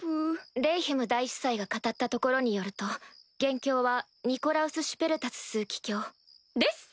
レイヒム大司祭が語ったところによると元凶はニコラウス・シュペルタス枢機卿。です！